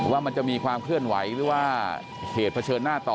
ว่ามันจะมีความเคลื่อนไหวหรือว่าเหตุเผชิญหน้าต่อ